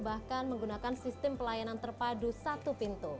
bahkan menggunakan sistem pelayanan terpadu satu pintu